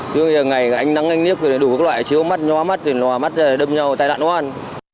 nhưng ngày anh nắng anh niếc thì đủ các loại chiếu mắt nhóa mắt hòa mắt đâm nhau tai nạn nó ăn